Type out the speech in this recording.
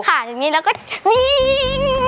ค่ะถึงนี้แล้วก็วิ่ง